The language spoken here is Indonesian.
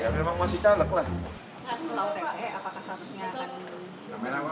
memang masih caleg lah